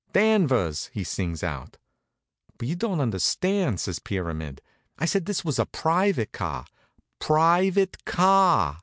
Danvers!" he sings out. "But you don't understand," says Pyramid. "I said this was a private car private car!"